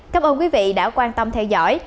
cảm ơn quý vị đã quan tâm theo dõi